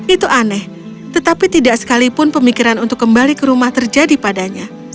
itu aneh tetapi tidak sekalipun pemikiran untuk kembali ke rumah terjadi padanya